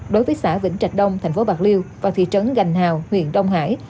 đối với xã vĩnh trạch đông tp bạc liêu và thị trấn gành hào huyện đông hải